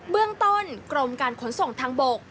เบื้องต้นกรมการขนส่งทางบก